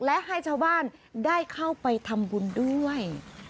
และให้ชาวบ้านได้เข้าไปทำบุญด้วย